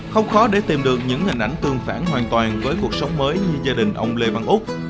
không khó để tìm được những hình ảnh tương phản hoàn toàn với cuộc sống mới như gia đình ông lê văn úc